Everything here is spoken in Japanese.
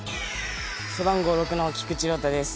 背番号６の菊池遼太です。